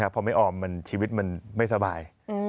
พอไม่ออมชีวิตมันไม่สบาย